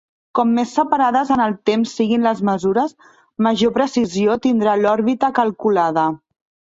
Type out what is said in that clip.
Com més separades en el temps siguin les mesures, major precisió tindrà l'òrbita calculada.